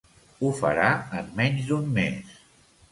Ho farà en menys d'un mes.